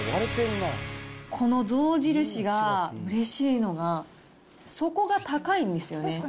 この象印が、うれしいのが、底が高いんですよね。